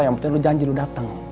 yang penting lo janji lo datang